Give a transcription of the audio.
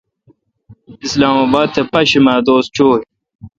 اسلام اباد تھ پاشیمہ دوس چوں ۔